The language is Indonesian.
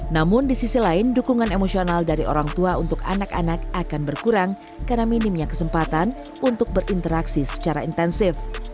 namun di sisi lain dukungan emosional dari orang tua untuk anak anak akan berkurang karena minimnya kesempatan untuk berinteraksi secara intensif